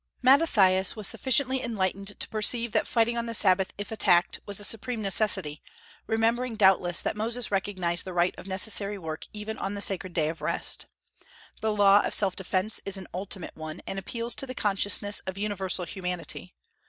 Mattathias was sufficiently enlightened to perceive that fighting on the Sabbath, if attacked, was a supreme necessity, remembering doubtless that Moses recognized the right of necessary work even on the sacred day of rest. The law of self defence is an ultimate one, and appeals to the consciousness of universal humanity.